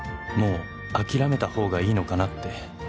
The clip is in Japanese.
もう諦めた方がいいのかなって」